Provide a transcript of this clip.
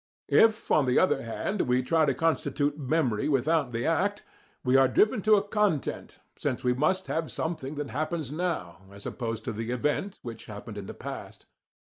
If, on the other hand, we try to constitute memory without the act, we are driven to a content, since we must have something that happens NOW, as opposed to the event which happened in the past.